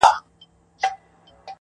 فکر اوچت غواړمه قد خم راکه,